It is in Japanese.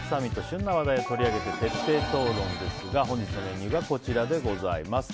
旬な話題を取り上げて徹底討論ですが本日のメニューがこちらです。